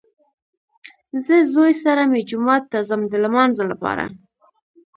زه زوی سره مې جومات ته ځم د لمانځه لپاره